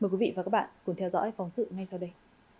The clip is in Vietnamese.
mời quý vị và các bạn cùng theo dõi phóng sự ngay sau đây